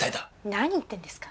何言ってるんですか？